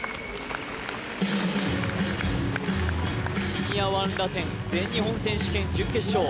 シニアⅠラテン全日本選手権準決勝